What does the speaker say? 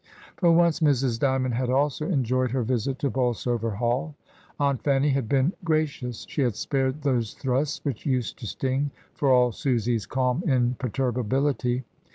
For once Mrs. D)rmond had also enjoyed her visit to Bolsover Hall. Aunt Fanny had been gra cious. She had spared those thrusts which used to sting, for all Susy's calm imperturbability.